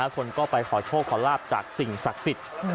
คนก็ไปขอโชคขอลาบจากสิ่งศักดิ์สิทธิ์